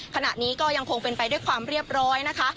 ขณะนี้ก็ยังคงเป็นไปด้วยความเรียบร้อยนะคะ